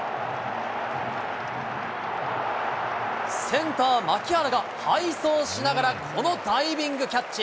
センター、牧原が背走しながらこのダイビングキャッチ。